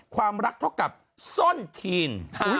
ความรักเท่ากับส้นทีน